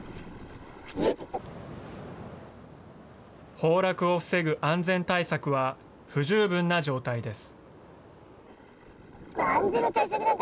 崩落を防ぐ安全対策は不十分な状態です。